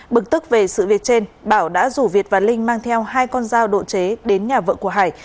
bực tức về sự việc trên bảo đã rủ việt và linh mang theo hai con dao độ chế đến nhà vợ của hải